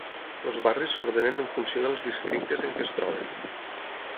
Els barris s'ordenen en funció dels "districtes" en què es troben.